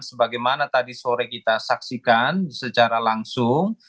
sebagaimana tadi sore kita saksikan secara langsung